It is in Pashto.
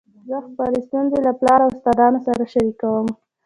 زه خپلي ستونزي له پلار او استادانو سره شریکوم.